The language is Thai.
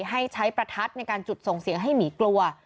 ให้ใช้ประทัดในการจุดส่งเสียงให้หมีกลัว